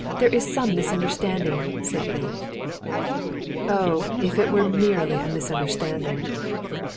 There is some misunderstanding," said he. "Oh, if it were merely a misunderstanding!..."